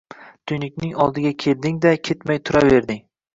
Tuynuk oldiga kelding-da ketmay turaverding.